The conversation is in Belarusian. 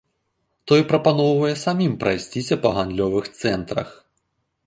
Той прапаноўвае самім прайсціся на гандлёвых цэнтрах.